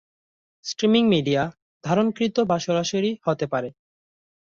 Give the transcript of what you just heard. Streaming media ধারণকৃত বা সরাসরি হতে পারে।